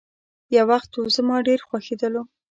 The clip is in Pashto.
يو وخت وو، زما ډېر خوښيدلو.